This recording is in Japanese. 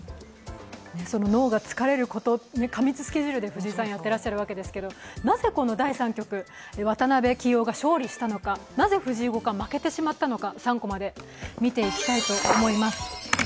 脳が疲れること、過密スケジュールで実際やってらっしゃるわけですけどなぜこの第３局、渡辺棋王が勝利したのか、なぜ藤井五冠が負けてしまったのか。